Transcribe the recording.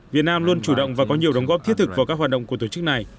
việt nam luôn chủ động và có nhiều đóng góp thiết thực vào các hoạt động của tổ chức này